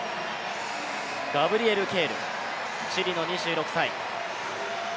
ガブリエル・ケール、チリの２６歳。